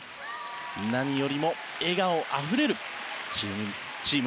何よりも笑顔あふれるチーム